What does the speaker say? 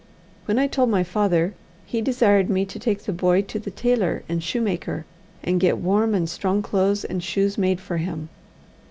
When I told my father, he desired me to take the boy to the tailor and shoemaker, and get warm and strong clothes and shoes made for him.